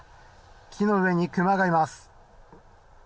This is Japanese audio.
木の上にクマがいます。